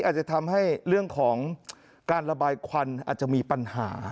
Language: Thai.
อาจจะทำให้เรื่องของการระบายควันอาจจะมีปัญหา